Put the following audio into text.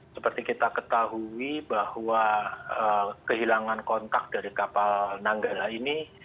seperti kita ketahui bahwa kehilangan kontak dari kapal nanggala ini